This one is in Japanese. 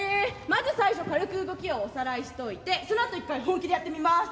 まず最初軽く動きをおさらいしといてそのあと１回本気でやってみます。